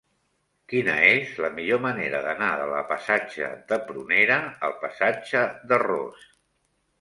Quina és la millor manera d'anar de la passatge de Prunera al passatge de Ros?